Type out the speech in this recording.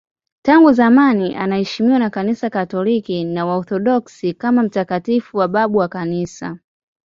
Tangu zamani anaheshimiwa na Kanisa Katoliki na Waorthodoksi kama mtakatifu na babu wa Kanisa.